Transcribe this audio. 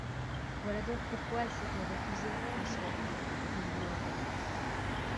Voilà donc pourquoi elle s'était refusée, un soir ! Il lui en parla.